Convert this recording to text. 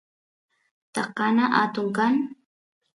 takana atun kan